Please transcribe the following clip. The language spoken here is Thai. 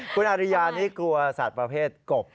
คุณอาริยานี้กลัวสัตว์ประเภทกบ